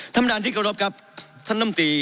ทำดานที่กระดบกับท่านน้ำตี